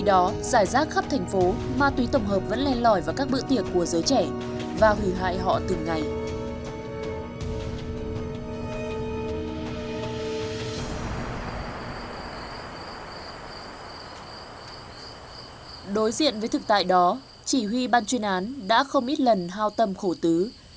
đối diện với thực tại đó chỉ huy ban chuyên án đã không ít lần hao tâm khổ tứ